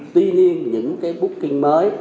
tuy nhiên những booking mới